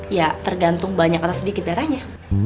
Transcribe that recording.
ya tergantung banyak atau sedikit darahnya